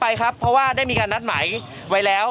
ไปครับเพราะว่าได้มีการนัดหมายไว้แล้ว